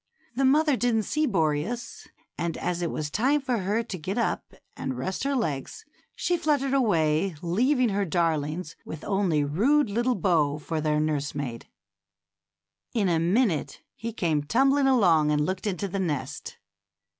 The mother didn't see Boreas, and as it was time for her to get up and rest her legs, she fluttered away, leaving her darlings with only rude little Bo for their nursemaid. In a minute he came tumbling along and looked into the nest.